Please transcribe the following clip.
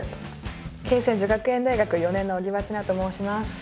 恵泉女学園大学４年の荻場千奈と申します。